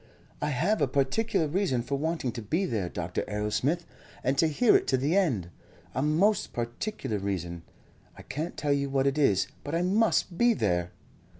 "I have a particular reason for wanting to be there, Dr. Arrowsmith, and to hear it to the end. A most particular reason. I can't tell you what it is, but I must be there."